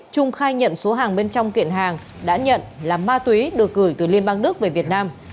trung khai nhận số hàng bên trong kiện hàng đã nhận là ma túy được gửi từ liên bang đức về việt nam